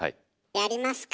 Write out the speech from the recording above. やりますか？